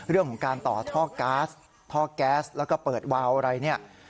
เรื่องของการต่อท่อก๊าซท่อแก๊สแล้วก็เปิดวาวอะไรเนี่ย